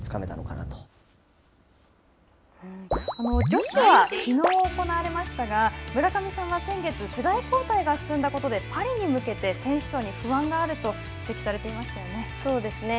女子はきのう行われましたが村上さんは先月世代交代が進んだことでパリに向けて選手層に不安があるとそうですね。